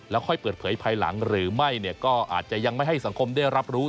ค่อยเปิดเผยภายหลังหรือไม่เนี่ยก็อาจจะยังไม่ให้สังคมได้รับรู้